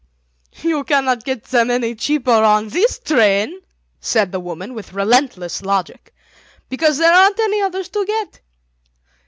"You cannot get them any cheaper on this train," said the woman, with relentless logic, "because there aren't any others to get.